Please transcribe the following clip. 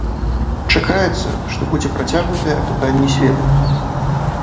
Чакаецца, што будзе працягнутае апытанне сведак.